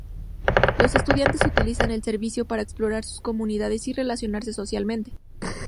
Los estudiantes utilizan el servicio para explorar sus comunidades y relacionarse socialmente.